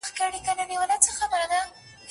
که یې سیلیو چڼچڼۍ وهلي